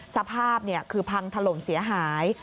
สภาพคือพังถล่มเสียหาย